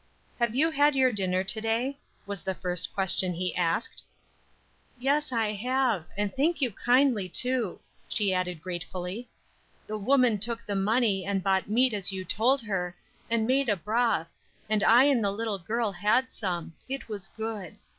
"Have you had your dinner to day?" was the first question he asked. "Yes, I have; and thank you kindly, too," she added gratefully. "The woman took the money and bought meat as you told her, and made a broth, and I and the little girl had some; it was good.